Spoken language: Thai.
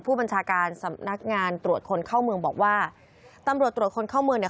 ผู้บัญชาการสำนักงานตรวจคนเข้าเมืองบอกว่าตำรวจตรวจคนเข้าเมืองเนี่ย